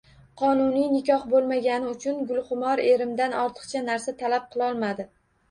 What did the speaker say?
Qonuniy nikoh bo`lmagani uchun Gulxumor erimdan ortiqcha narsa talab qilolmadi